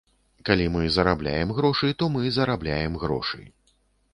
Калі мы зарабляем грошы, то мы зарабляем грошы.